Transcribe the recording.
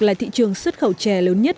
là thị trường xuất khẩu chè lớn nhất